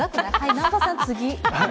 南波さん、次。